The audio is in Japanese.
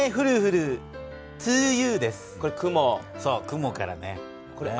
雲からね。